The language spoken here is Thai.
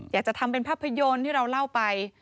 อยากจะทำเป็นภาพยนตร์ที่เราเล่าไป